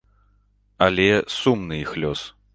Але сумны іх лёс.